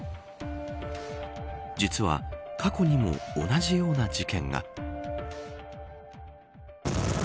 実は過去にも同じような事件が。